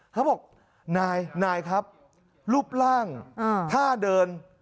เขาบอกนายนายครับรูปร่างท่าเดิน